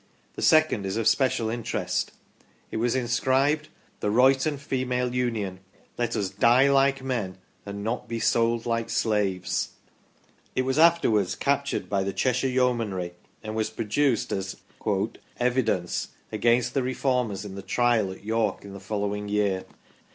The second is of special interest ; it was inscribed " The Royton Female Union Let us DIE like Men and Not be Sold like Slaves ". It was afterwards captured by the Cheshire Yeomanry and was produced as " evidence " against the Reformers in the Trial at York in the following year.